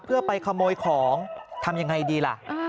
เพื่อไปขโมยของทำยังไงดีล่ะ